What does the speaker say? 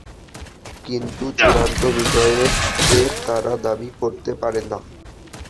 কিন্তু চূড়ান্ত বিজয়ের তারা দাবি করতে পারে না।